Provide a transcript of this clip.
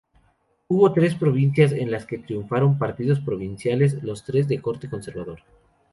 Hubo tres provincias en las que triunfaron partidos provinciales, los tres de corte conservador.